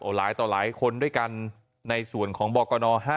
หลายต่อหลายคนด้วยกันในส่วนของบกน๕